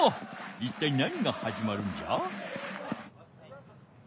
いったい何がはじまるんじゃ？